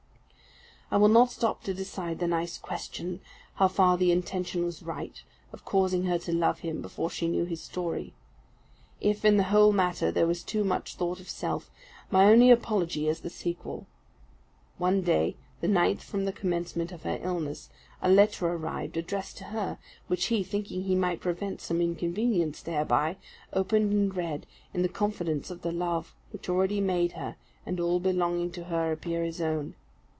I will not stop to decide the nice question, how far the intention was right, of causing her to love him before she knew his story. If in the whole matter there was too much thought of self, my only apology is the sequel. One day, the ninth from the commencement of her illness, a letter arrived, addressed to her; which he, thinking he might prevent some inconvenience thereby, opened and read, in the confidence of that love which already made her and all belonging to her appear his own.